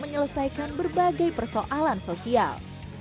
menyelesaikan berbagai persoalan sosial